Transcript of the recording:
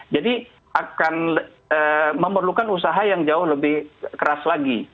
jadi akan memerlukan usaha yang jauh lebih keras lagi